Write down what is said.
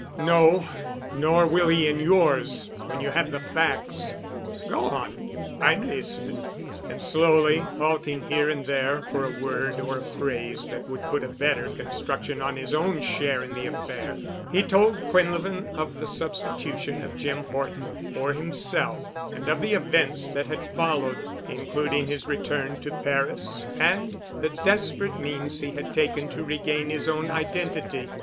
"No—nor will he in yours when you have the facts." "Go on. I'm listening." And slowly, halting here and there for a word or a phrase that would put a better construction on his own share in the affair, he told Quinlevin of the substitution of Jim Horton for himself and of the events that had followed, including his return to Paris and the desperate means he had taken to regain his own identity.